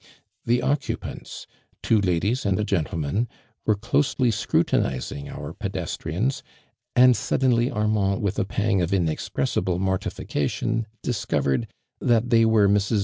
The occupants, two ladies and a gentle man, were closely scrutinizing our pedes trians and suddenly Armand with a pang of inexpressible mortification, discovered, that they were Mi s.